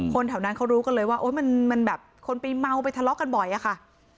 แถวนั้นเขารู้กันเลยว่ามันแบบคนไปเมาไปทะเลาะกันบ่อยอะค่ะ